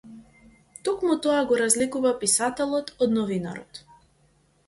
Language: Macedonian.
Токму тоа го разликува писателот од новинарот.